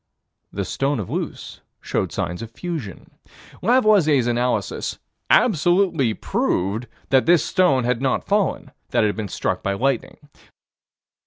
The stone of Luce showed signs of fusion. Lavoisier's analysis "absolutely proved" that this stone had not fallen: that it had been struck by lightning.